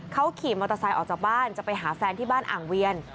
เขาขี่มอเตอร์ไซค์ออกจากบ้านจะไปหาแฟนที่บ้านอ่างเวียน